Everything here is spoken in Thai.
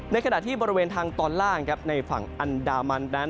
ขณะที่บริเวณทางตอนล่างในฝั่งอันดามันนั้น